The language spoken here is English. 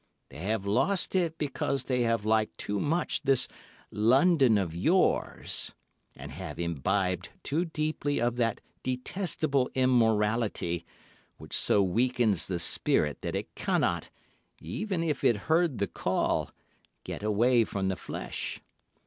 They have lost it because they have liked too much this London of yours, and have imbibed too deeply of that detestable immorality, which so weakens the spirit that it cannot, even if it heard the call, get away from the flesh.